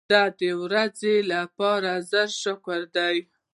د دې ورځې لپاره زر شکر دی.